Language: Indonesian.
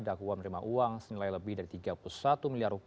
dakwa menerima uang senilai lebih dari rp tiga puluh satu miliar